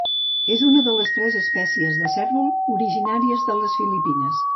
És una de les tres espècies de cérvol originàries de les Filipines.